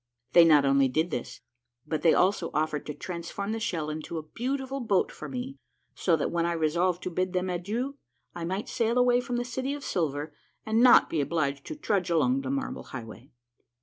They not only did this, but they also offered to transform the shell into a beautiful boat for me, so 'that when I resolved to bid them adieu, I might sail away from the City of Silver and not be obliged to trudge along the Marble Highway.